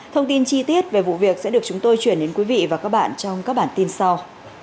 thông tin chi tiết về vụ việc sẽ được chúng tôi chuyển đến quý vị và các bạn trong các bản tin sau